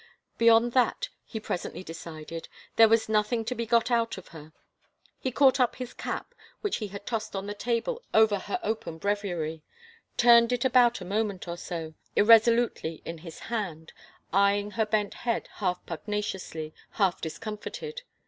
Beyond that, he presently decided, there was nothing to be got out of her. He caught up his cap, which he had tossed on a table over her open breviary, turned it about a moment or so, irresolutely in his hand, eyeing her bent head half pugnaciously, half discomfited.